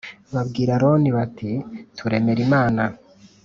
babwira Aroni bati turemere imana